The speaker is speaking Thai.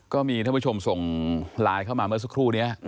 ก็มีท่านผู้ชมส่งไลน์เข้ามาเมื่อสักครู่นี้